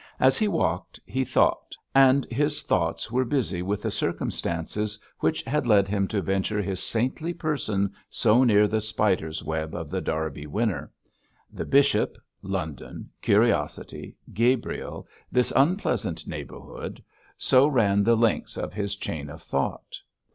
As he walked he thought, and his thoughts were busy with the circumstances which had led him to venture his saintly person so near the spider's web of The Derby Winner. The bishop, London, curiosity, Gabriel, this unpleasant neighbourhood so ran the links of his chain of thought.